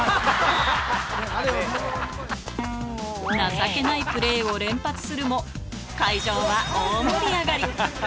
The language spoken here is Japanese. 情けないプレーを連発するも、会場は大盛り上がり。